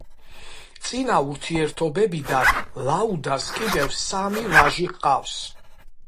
წინა ურთიერთობებიდან ლაუდას კიდევ სამი ვაჟი ჰყავს.